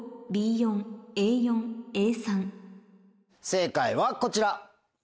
正解はこちら。